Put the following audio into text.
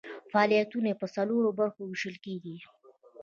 فعالیتونه یې په څلورو برخو ویشل کیږي.